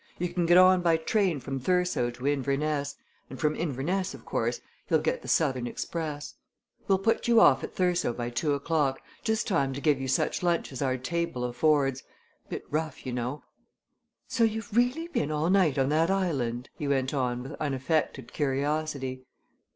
You can get on by train from Thurso to Inverness, and from Inverness, of course, you'll get the southern express. Well put you off at Thurso by two o'clock just time to give you such lunch as our table affords bit rough, you know. So you've really been all night on that island?" he went on with unaffected curiosity.